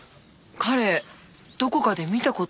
彼どこかで見た事ある。